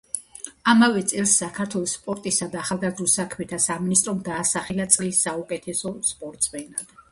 ამავე წელს საქართველოს სპორტისა და ახალგაზრდულ საქმეთა სამინისტრომ დაასახელა წლის საუკეთესო სპორტსმენად.